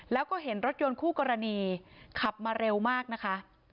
แล้วก็เห็นรถยนต์คู่กรณีขับมาเร็วมากนะคะ